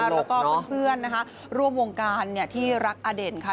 แล้วก็เพื่อนนะคะร่วมวงการที่รักอเด่นค่ะ